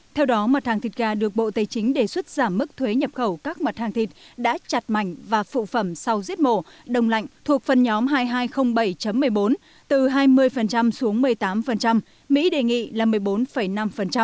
theo đó mặt hàng thịt gà được bộ tây chính đề xuất giảm mức thuế nhập khẩu các mặt hàng thịt đã chặt mạnh và phụ phẩm sau giết mổ đông lạnh thuộc phần nhóm hai nghìn hai trăm linh bảy một mươi bốn từ hai mươi xuống một mươi tám mỹ đề nghị là một mươi bốn năm